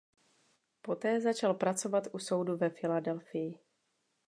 Poté začal pracovat u soudu ve Filadelfii.